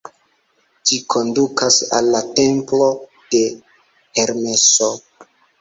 Ĝi kondukas al la templo de Hermeso.